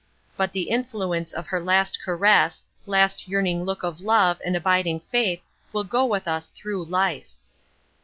But the influence of her last caress, last yearning look of love and abiding faith will go with us through life.